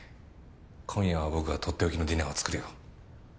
今夜は僕がとっておきのディナーを作るよ